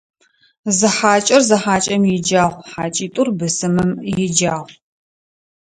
Зы хьакӀэр зы хьакӀэм иджагъу, хьакӀитӀур бысымым иджагъу.